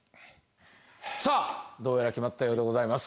さあどうやら決まったようでございます。